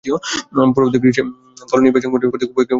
পরবর্তীতে গ্রীষ্মে দল নির্বাচকমণ্ডলী কর্তৃক উপেক্ষার শিকারে পরিণত হন।